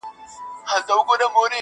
نه یې له تیارې نه له رڼا سره!.